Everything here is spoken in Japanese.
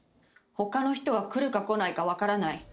他の人は来るか来ないか分からない